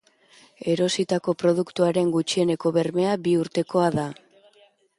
Erositako produktuaren gutxieneko bermea bi urtekoa da.